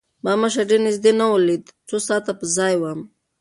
ما مشر ډېر د نزدې نه وليد څو ساعت پۀ ځائې ووم